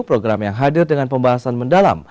program yang hadir dengan pembahasan mendalam